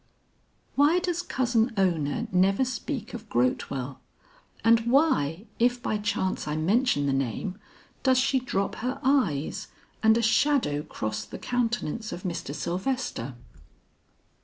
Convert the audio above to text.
"Why does Cousin Ona never speak of Grotewell, and why, if by chance I mention the name, does she drop her eyes and a shadow cross the countenance of Mr. Sylvester?"